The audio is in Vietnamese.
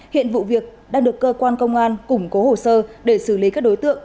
hiện vụ việc đang được cơ quan công an củng cố hồ sơ để xử lý các đối tượng